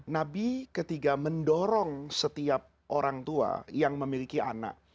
nabi ketiga mendorong setiap orang tua yang memiliki anak